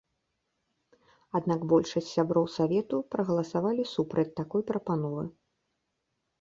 Аднак большасць сяброў савету прагаласавалі супраць такой прапановы.